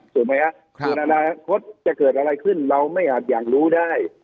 ถูกมั้ยครับคือนานาคตจะเกิดอะไรขึ้นเราไม่อาจอยากรู้ได้